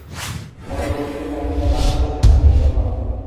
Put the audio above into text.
পরবর্তীতে তার পিতা লাহোর স্থানান্তরিত হন।